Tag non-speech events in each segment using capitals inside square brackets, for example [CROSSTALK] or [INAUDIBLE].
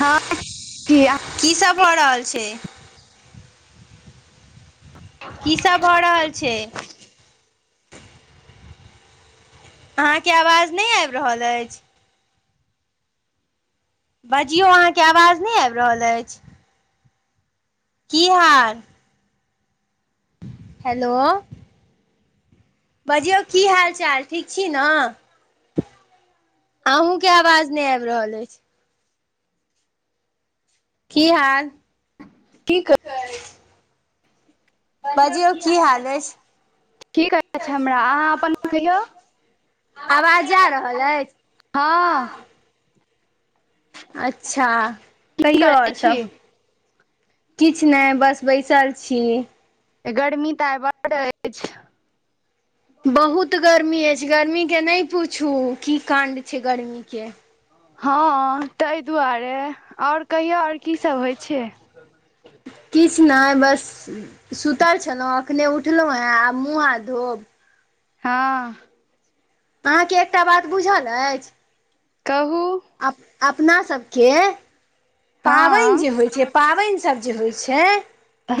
हँ कीसब भऽ रहल छै की सब भऽ रहल छै अहाँके आवाज नय आइब रहल अछि बजियौ अहाँके आवाज नया आइब रहल अछि की हाल हेलो बजियौ की हाल चाल ठीक छी ने अहूँ के आवाज नय आइब रहल अछि की हाल की कै बजियौ की हाल अइछ ठीक अछि हमरा अहाँ अपन कहियौ आवाज जा रहल अइछ हाँ अच्छा की कहियौ करै आओर सब छी किछ नय बस बैसल छी गर्मी तऽ आइ बड्ड अछि बहुत गर्मी अछि गर्मीके नहि पूछू की काण्ड छै गर्मी के हँ ताहि दुआरे आओर कहियौ आओर की सब होइ छै [INAUDIBLE] किछु नहि बस सुतल छलौं अखने उठलहुँ हेँ आब मुँह हाथ धोब हँ अहाँके एकटा बात बुझल अछि कहू अप अपना सबके हँ पाबनि जे होइ छै पाबनि सभ जे होइ छै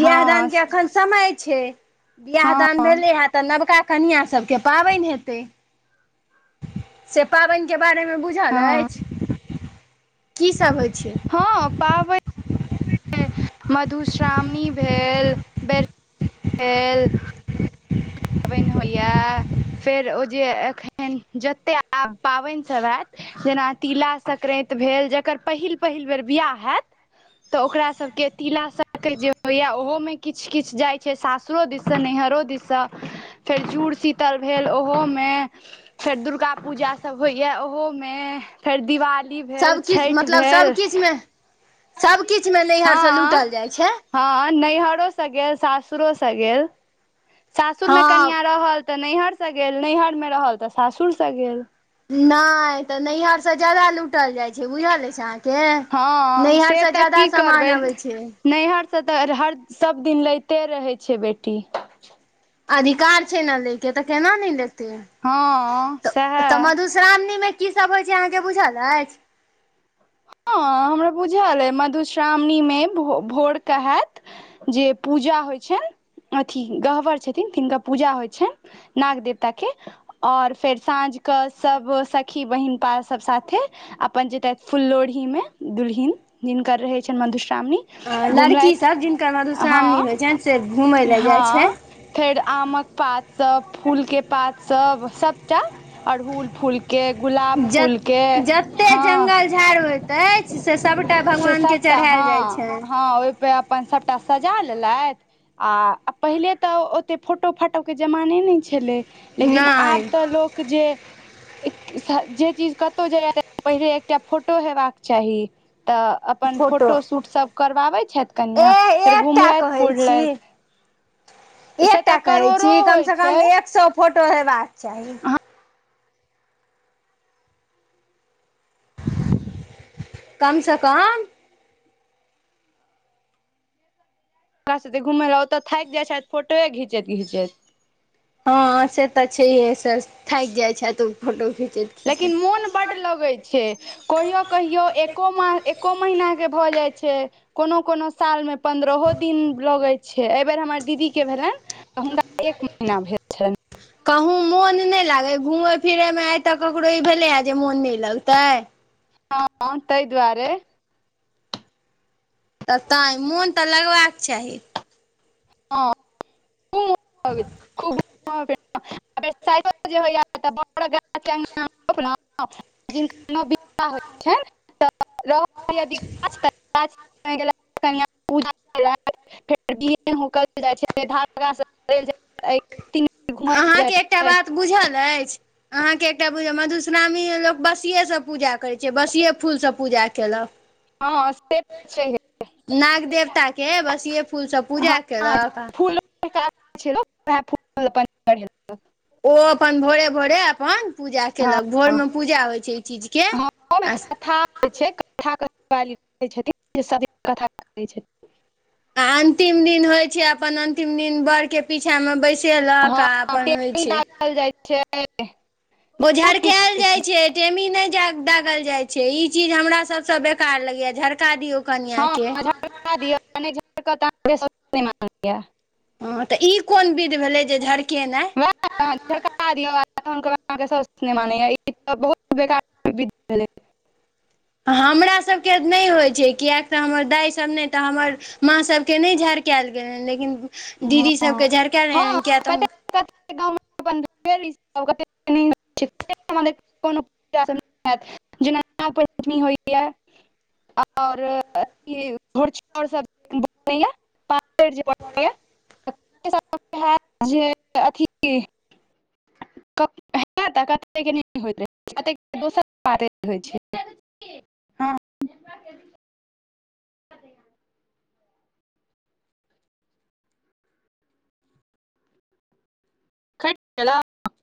बियाह दानके एखन समय छै बियाह हँ दान भेलै हेँ तऽ नवका कनियाँ सभके पाबनि हेतै से पाबनिके बारेमे बुझल हँ अछि कीसभ होइ छै हँ पाबैन मधुश्रावणी भेल बेर भेल पाबैन होइये फेर ओ जे एखन जते आब पाबैन सब एत जेना तिला सक्रांन्ति भेल जकर पहिल पहिल बेर बियाह हैत तऽ ओकरा सबके तिला सक्रांन्ति जे होइये ओहो मे किछु किछु जाय छै सासुर रो दिस स नैहरो दिस स फेर जुड़ शीतल भेल ओहोमे फेर दुर्गा पूजा सभ होइए ओहोमे फेर दिवाली भेल सबकिछु छठि भेल सब किछुमे नैहरसे हँ लूटल जाइ छै हँ नैहरोसँ गेल सासुरोसँ गेल सासुरमे हँ कनियाँ रहल तऽ नैहरसँ गेल नैहरमे रहल तऽ सासुरसँ गेल नहि तऽ नैहर से जादा लूटल जाय छै से बुझल अछि अहाँ के हँ नैहर से तऽ जादा की करबै सामान अबै छै नैहरसँ तऽ हर सबदिन लैते रहै छै बेटी अधिकार छै न लै के तऽ केना नै लेतै हँ तऽ तऽ मधुश्रा सएह मधुश्रावणी मे की सब होइ छै अहाँ के बुझल अछि हँ हमरा बुझल अय मधुश्रावणी मे भोरके हैत जे पूजा होइ छनि अथी गह्वर छथिन तिनका पूजा होइ छनि नाग देवता के आओर फेर साँझके सभ सखी बहिनपा सभ साथे अपन जेतथि फुल लोढ़ी मे दुलहिन जिनकर रहै छनि मधुश्रावणी आ घुमलथि लड़कीसभ जिनकर मधुश्रावणी होइ हँ छनि से घुमय लए जाइ छै हँ फेर आमक पात सब फूलके पात सब सभटा अरहुल फूल के गुलाब ज फूल के जते हँ जंगल झाड़ होइत अछि से सभटा से सब भगवान के सभटा चढ़ायल जाइ हँ छनि हँ ओहिपे अपन सभटा सजा लेलथि आ पहिले तऽ ओते फोटो फाटो के जमाने नहि छेलै लेकिन आब नहि तऽ लोक जे जे चीज कतौ जेबेय पहिले एकटा फोटो हेबाक चाही तऽ अपन फोटो शूट सब करबाबैत छथि ए कनियाँ फेर एकटा घुमलथि कहै छी पुरलथि से एकटा तऽ कहै करोड़ो छी कम होइ सॅं छै कम एक सौ फोटो हेबाक चाही अहाँ कमसँ कम हमरा साथ घुम लए ओतऽ थाकि जाइ छथि फोटोए घिचैत घिचैत हँ से तऽ छै हे से थाक जाइ छैत उ फोटो खींचैत लेकिन मोन बड्ड लगैत छै कहियो कहियो एको म एको महीना के भऽ जाइ छै कोनो कोनो साल मे पन्द्रहो दिन लगै छै एहि बेर हमर दीदी के भेलनि हुनका एक महीना भेल छले कहूँ मोन नहि लागै घूमय फिरयमे आइ तक ककरो ई भेलैए जे मोन नहि लगतै हँ तहि दुआरे तऽ तैँ मोन तऽ लगबाक चाहि हँ ख खू [INAUDIBLE] जे होइयाछ [INAUDIBLE] जिनका विाह होइत छनि तऽ रह यदि गाछ तऽ [INAUDIBLE] पू फेरल [INAUDIBLE] ची बेर घूमल जाइ अहाँके छै [INAUDIBLE] एकटा बात बुझल अछि अहाँके एकटा बुझिय मधुश्रावणी लोक बसिएसँ पूजा करै छै बसिए फूलसँ पूजा केलक हँ से तऽ छैहे नाग देवता के बस ये फूल सब पूजा केलक आ ू [INAUDIBLE] ओ अपन भोरे भोरे अपन पूजा हँ कयलक भोरमे पूजा होइ छै ई चीजके हँ अस छै [INAUDIBLE] िवालीै छथिन जे सभी कथा करै छथिन [INAUDIBLE] आ अंतिम दिन होइ छै अपन अंतिम दिन बर के पीछा मे बैस क से लऽ क आ आपन होइ छै कहल जाइ छै ओ बहुत किछ झरकाएल होइ जाय छै टेमी नइ दागल जाय छै से ई चीज हमरा सबसँ बेकार लगैए झरका दियौ कनिआँके [INAUDIBLE] हँ तऽ ई कोन विध भेलै जे झरकेनाइ झड़का दिअ तहन अहाँके सिनेमा नहि यऽ ई त बहुत बेकार [INAUDIBLE] विद्यालय [INAUDIBLE] हमरा सबके नइ होइ छै कियाकि तऽ हमर दायसब नइ तऽ हमर माँसबके नइ झरकायल गेलै लेकिन दीदी सबके झरकायल किया तऽ [INAUDIBLE] जना न पञ्चमी होइ ह [INAUDIBLE] और अथ भ आर सब प जे [INAUDIBLE] जे अथी [INAUDIBLE] ह तऽ कत नहि होइत रहै क दोसर बाते होइत छै [INAUDIBLE] हँ [UNINTELLIGIBLE] खटला [INAUDIBLE]